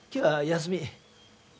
休み？